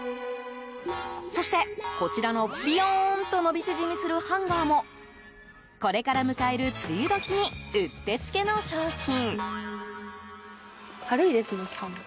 そして、こちらのビヨンと伸び縮みするハンガーもこれから迎える梅雨時にうってつけの商品。